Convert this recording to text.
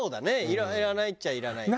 いらないっちゃいらない。